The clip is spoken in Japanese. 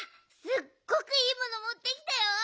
すっごくいいものもってきたよ。